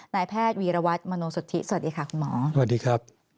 นายแพทย์วีรวัตรมโนสุธิสวัสดีค่ะคุณหมอสวัสดีครับ